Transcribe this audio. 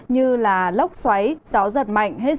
như là lốc xoáy gió giật mạnh